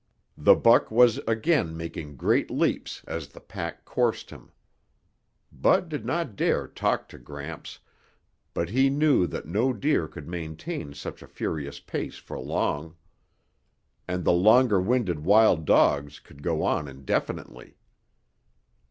The buck was again making great leaps as the pack coursed him. Bud did not dare talk to Gramps, but he knew that no deer could maintain such a furious pace for long. And the longer winded wild dogs could go on indefinitely.